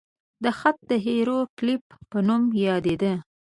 دا خط د هیروګلیف په نوم یادېده.